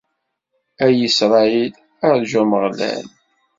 A Isṛayil, rǧu Ameɣlal.